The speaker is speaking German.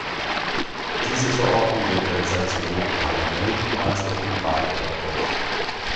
Diese Verordnung wird derzeit sowohl im Parlament als auch im Rat erörtert.